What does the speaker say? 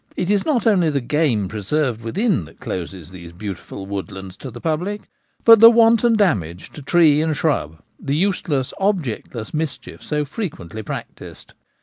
It is not only the game preserved within that closes these beautiful woodlands to the public, but the wanton damage to tree and shrub, the use less, objectless mischief so frequently practised.